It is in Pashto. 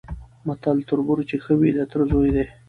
متل: تربور چي ښه وي د تره زوی دی؛